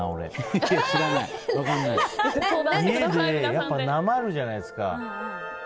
体がなまるじゃないですか。